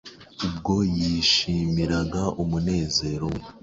ubwo yishimiraga umunezero we